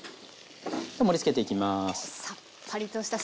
盛りつけていきます。